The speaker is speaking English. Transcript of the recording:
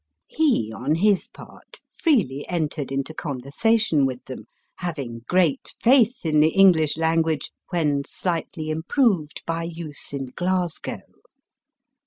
He, on his part, freely entered into conversation with them, having great faith in the English language when slightly improved by use in Glasgow.